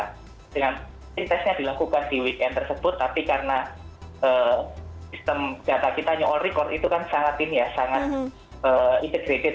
dengan tesnya dilakukan di weekend tersebut tapi karena sistem data kita nell record itu kan sangat ini ya sangat integrated